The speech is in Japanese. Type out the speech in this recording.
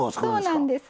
そうなんです。